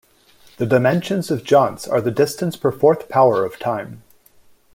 The dimensions of jounce are distance per fourth power of time.